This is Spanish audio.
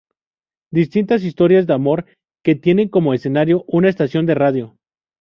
Distintas historias de amor que tienen como escenario una estación de radio.